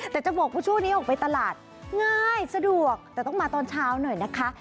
แต่จะบอกว่าช่วงนี้ออกไปตลาดง่ายสะดวกแต่ต้องมาตอนเช้าหน่อยนะคะ